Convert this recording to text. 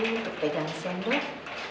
untuk pegang sendok